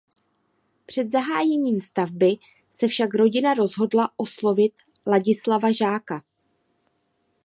Před zahájením stavby se však rodina rozhodla oslovit Ladislava Žáka.